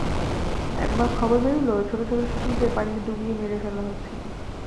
একবার খবর বেরুল, ছোট-ছোট শিশুদের পানিতে ডুবিয়ে মেরে ফেলা হচ্ছে।